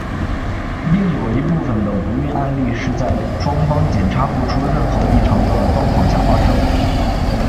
另外有一部分的不孕案例是在双方检查不出任何异常的状况下发生。